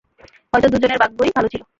হয়তো দুজনের ভাগ্যই ভালো ছিল।